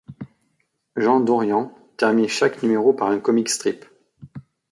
Jean d'Aurian termine chaque numéro par un comic strip.